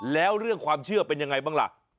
แล้วเรื่องความเชื่อเป็นยังไงบ้างล่ะ